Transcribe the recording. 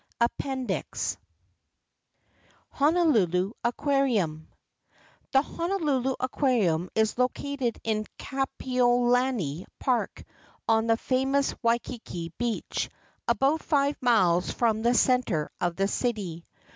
APPENDIX HONOLULU AQUARIUM The Honolulu Aquarium is located in Kapiolani Park on the famous Waikiki Beach, about five miles from the centre of the city.